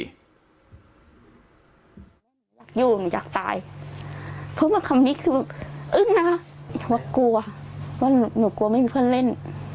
อยากอยู่หนูอยากตายเพราะว่าคำนี้คืออึ้งนะคะว่ากลัวว่าหนูกลัวไม่มีเพื่อนเล่น